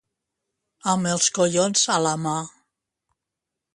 Amb els collons a la mà.